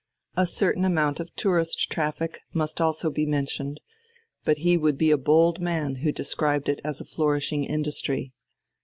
A certain amount of tourist traffic must also be mentioned, but he would be a bold man who described it as a flourishing industry.